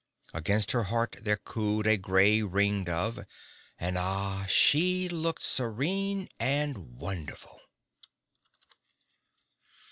Against her heart there cooed a grey ring dove; and ah, she looked serene and wonderful.